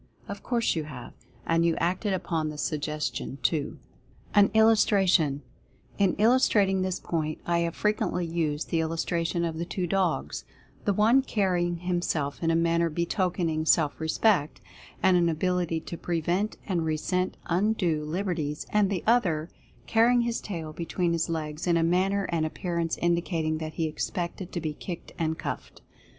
Of course you have, and you acted upon the Suggestion, too. AN ILLUSTRATION. In illustrating this point, I have frequently used the illustration of the two dogs, the one carrying him self in a manner betokening Self Respect and an abil ity to prevent and resent undue liberties, and the other carrying his tail between his legs, in a manner and appearance indicating that he expected to be kicked and cuffed.